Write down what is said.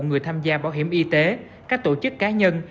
người tham gia bảo hiểm y tế các tổ chức cá nhân